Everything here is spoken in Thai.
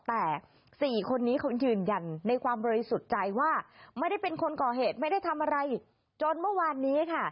แต่๔คนนี้เขายืนยันในความบริสุทธิ์ใจว่าไม่ได้เป็นคนก่อเหตุไม่ได้ทำอะไรจนเมื่อวานนี้ค่ะ